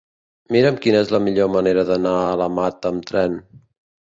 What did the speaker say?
Mira'm quina és la millor manera d'anar a la Mata amb tren.